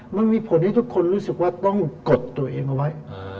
มันมีผลที่ทุกคนรู้สึกว่าต้องกดตัวเองเอาไว้